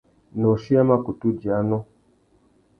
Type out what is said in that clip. Nôchï a mà kutu djï anô.